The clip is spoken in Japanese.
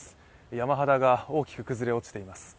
山肌が大きく崩れ落ちています。